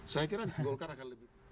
saya kira golkar akan lebih